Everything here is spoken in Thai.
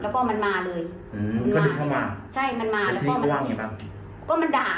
คำหย่าปกติของมัน